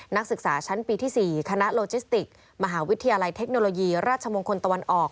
นักศึกษาชั้นปีที่๔คณะโลจิสติกมหาวิทยาลัยเทคโนโลยีราชมงคลตะวันออก